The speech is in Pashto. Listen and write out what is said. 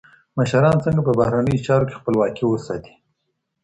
مشران څنګه په بهرنیو چارو کي خپلواکي ساتي؟